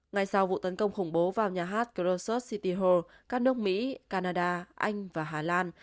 ngay sau vụ tấn công khủng bố vào nhà hát krosos city hall các nước mỹ canada anh và hà lan